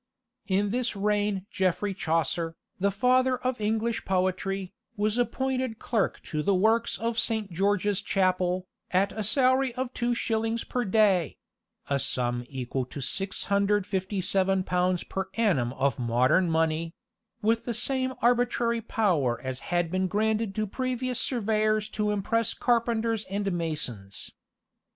In this reign Geoffrey Chaucer, "the father of English poetry," was appointed clerk to the works of Saint George's Chapel, at a salary of two shillings per day (a sum equal to 657 pounds per annum of modern money), with the same arbitrary power as had been granted to previous surveyors to impress carpenters and masons.